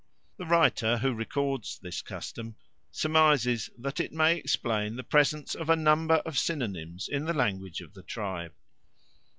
The writer who records this custom surmises that it may explain the presence of a number of synonyms in the language of the tribe.